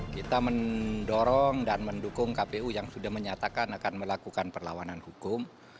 kita mendorong dan mendukung kpu yang sudah menyatakan akan melakukan perlawanan hukum